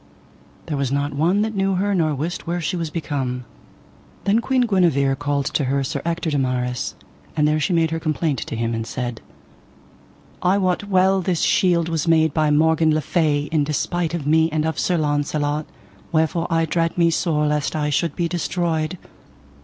There was not one that knew her nor wist where she was become. Then Queen Guenever called to her Sir Ector de Maris, and there she made her complaint to him, and said: I wot well this shield was made by Morgan le Fay in despite of me and of Sir Launcelot, wherefore I dread me sore lest I should be destroyed.